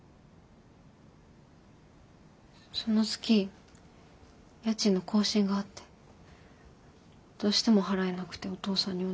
その月家賃の更新があってどうしても払えなくてお父さんにお願いした。